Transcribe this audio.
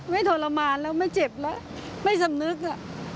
ทรมานแล้วไม่เจ็บแล้วไม่สำนึก